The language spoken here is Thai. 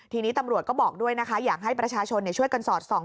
ทีนี้ตำรวจก็บอกด้วยนะคะอยากให้ประชาชนช่วยกันสอดส่อง